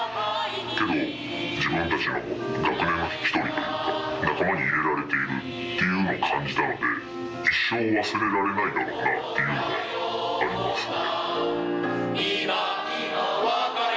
でも、自分たちも学年の１人というか、仲間に入れられているっていうのを感じたので、一生忘れられないだろうなというのがありましたね。